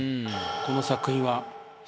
この作品は。